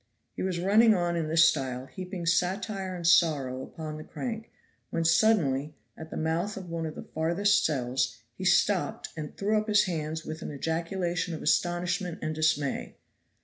He was running on in this style, heaping satire and sorrow upon the crank, when suddenly, at the mouth of one of the farthest cells, he stopped and threw up his hands with an ejaculation of astonishment and dismay.